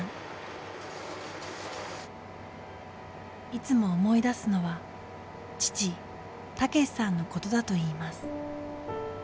いつも思い出すのは父武さんのことだといいます。